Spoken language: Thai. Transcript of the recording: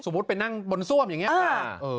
สมมุติไปนั่งบนซ่วมอย่างนี้